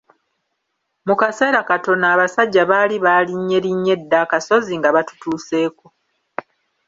Mu kaseera katono abasajja baali baalinnyerinnye dda akasozi nga batutuuseeko.